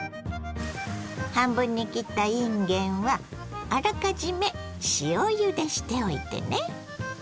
半分に切ったいんげんはあらかじめ塩ゆでしておいてね。